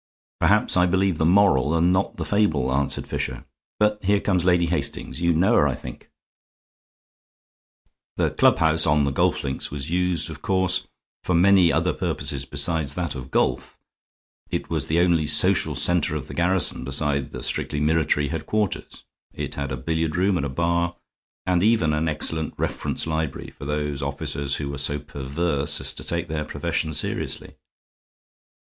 "Perhaps I believe the moral and not the fable," answered Fisher. "But here comes Lady Hastings. You know her, I think." The clubhouse on the golf links was used, of course, for many other purposes besides that of golf. It was the only social center of the garrison beside the strictly military headquarters; it had a billiard room and a bar, and even an excellent reference library for those officers who were so perverse as to take their profession seriously.